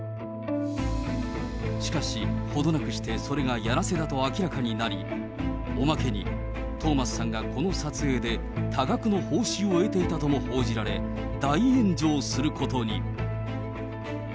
しかし、程なくしてそれがやらせだと明らかになり、おまけに、トーマスさんがこの撮影で多額の報酬を得ていたとも報じられ、大炎上することに。